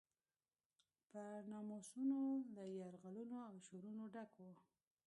پر ناموسونو له یرغلونو او شورونو ډک و.